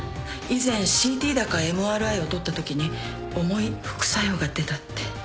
以前ＣＴだかＭＲＩを撮ったときに重い副作用が出たって。